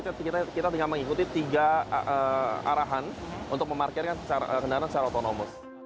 nah setelah itu nanti kita tinggal mengikuti tiga arahan untuk memarkirkan kendaraan secara otonom